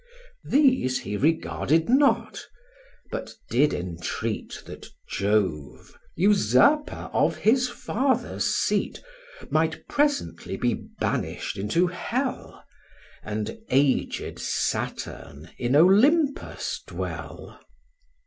These he regarded not; but did entreat That Jove, usurper of his father's seat, Might presently be banish'd into hell, And aged Saturn in Olympus dwell.